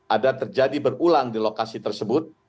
ada terjadi berulang di lokasi tersebut